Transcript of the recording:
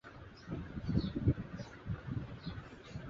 শিক্ষার্থী ভর্তির সংখ্যা তিন হাজারে গিয়ে দাঁড়ায়।